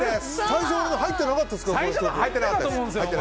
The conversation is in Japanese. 最初の入ってなかったですか？